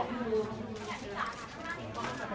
ขอบคุณนะคะ